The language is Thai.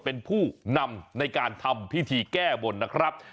เป็นผู้นำในการทำพิธีแก้บนนะครับ